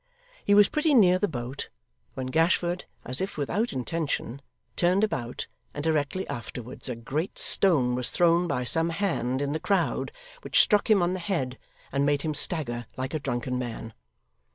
He was pretty near the boat, when Gashford, as if without intention, turned about, and directly afterwards a great stone was thrown by some hand, in the crowd, which struck him on the head, and made him stagger like a drunken man.